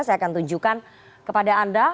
saya akan tunjukkan kepada anda